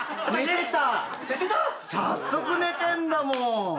早速寝てんだもん。